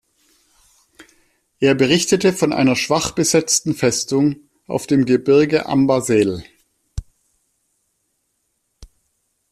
Er berichtete von einer schwach besetzten Festung auf dem Gebirge Amba Sel.